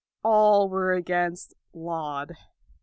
All were against Laud.